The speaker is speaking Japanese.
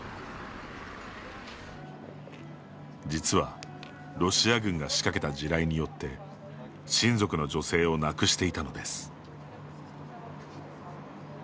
実はロシア軍が仕掛けた地雷によって親族の女性を亡くしていたのです。